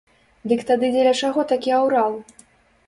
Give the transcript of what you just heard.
Дык тады дзеля чаго такі аўрал?